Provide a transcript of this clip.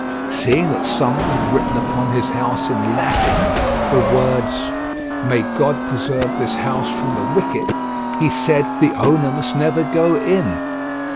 Seeing that someone had written upon his house in Latin the words: "May God preserve this house from the wicked," he said, "The owner must never go in."